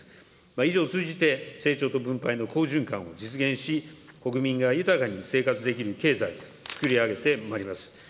以上を通じて、成長と分配の好循環を実現し、国民が豊かに生活できる経済をつくり上げてまいります。